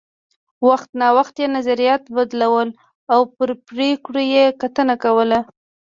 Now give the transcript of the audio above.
وخت نا وخت یې نظریات بدلول او پر پرېکړو یې کتنه کوله